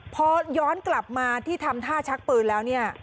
พอย้อนกลับมาที่ทำท่าชักปืนแล้วเนี่ย